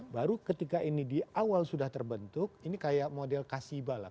baru ketika ini di awal sudah terbentuk ini kayak model kasiba lah